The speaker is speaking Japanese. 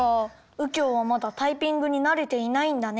うきょうはまだタイピングになれていないんだね。